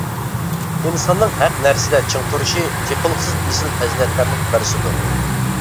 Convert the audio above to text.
ئىنساننىڭ ھەق نەرسىدە چىڭ تۇرۇشى تېپىلغۇسىز ئېسىل پەزىلەتلەرنىڭ بىرسىدۇر!